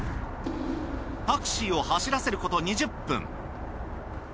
タクシーを走らせること２０分。